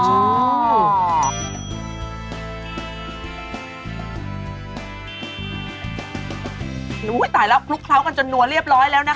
โอ้โหตายแล้วคลุกเคล้ากันจนนัวเรียบร้อยแล้วนะคะ